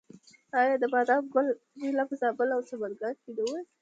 آیا د بادام ګل میله په زابل او سمنګان کې نه وي؟